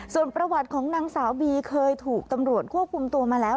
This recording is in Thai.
ส่วนประวัติของนางสาวบีเคยถูกตำรวจควบคุมตัวมาแล้ว